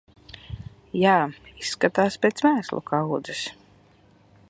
Jā, izskatās pēc mēslu kaudzes.